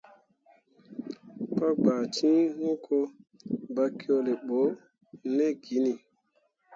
Pa gbaa ciŋ hũko, bakyole ɓo ne giini.